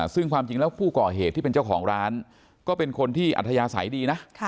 ซึ่งความจริงแล้วผู้ก่อเหตุที่เป็นเจ้าของร้านก็เป็นคนที่อัธยาศัยดีนะ